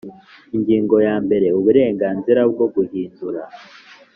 Ingingo ya mbere Uburenganzirabwo guhindura